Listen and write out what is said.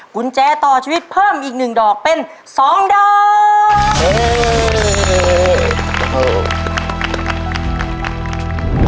กุญแจต่อชีวิตเพิ่มอีกหนึ่งดอกเป็น๒ดอก